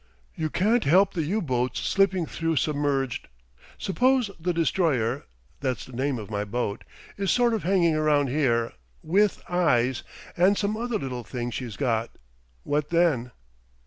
You can't help the U boats slipping through submerged. Suppose the Destroyer that's the name of my boat is sort of hanging around there, with eyes and some other little things she's got, what then?"